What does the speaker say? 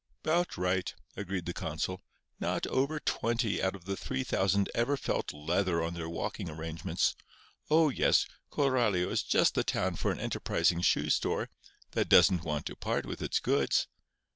"'Bout right," agreed the consul. "Not over twenty out of the three thousand ever felt leather on their walking arrangements. Oh, yes; Coralio is just the town for an enterprising shoe store—that doesn't want to part with its goods.